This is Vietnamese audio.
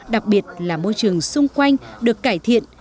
đặc biệt là môi trường xung quanh được cải thiện